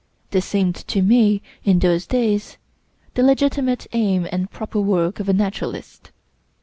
This seemed to me, in those days, the legitimate aim and proper work of a naturalist.